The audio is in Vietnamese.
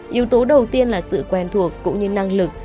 yếu tố đầu tiên là sự quen thuộc cũng như năng lực